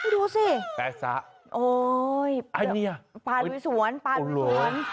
นี่แป๊กซะอันนี้โอ้ยปานวิสวนปานวิสวน